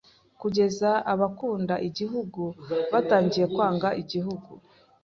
Kugeza abakunda igihugu batangiye kwanga igihugu